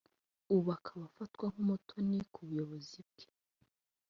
ubu akaba afatwa nk’umutoni ku buyobozi bwe